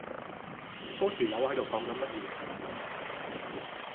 嗰條友喺度講緊乜嘢？